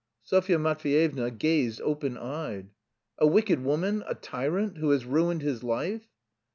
Sofya Matveyevna gazed open eyed. "A wicked woman, a tyrant? Who has ruined his life?"